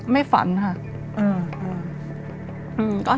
ไม่ฝันค่ะ